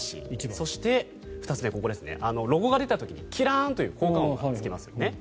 そして、２つ目ロゴが出た時にキラーンという効果音がつきますよね。